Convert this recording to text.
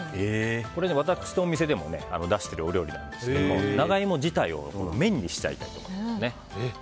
私のお店でも出しているお料理なんですけど長イモ自体を麺にしちゃいたいと思います。